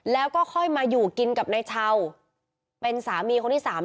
แล้วก็ค่อยมาอยู่กินกับนายเช่าเป็นสามีคนที่สาม